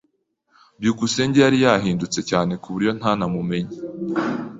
byukusenge yari yarahindutse cyane kuburyo ntanamumenye.